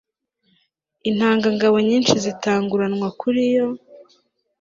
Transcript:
intangangabo nyinshi zitanguranwa kuri iyo